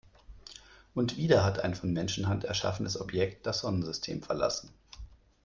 Und wieder hat ein von Menschenhand erschaffenes Objekt das Sonnensystem verlassen.